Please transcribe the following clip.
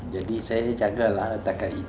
jadi saya menjaga